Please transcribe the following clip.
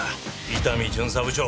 伊丹巡査部長！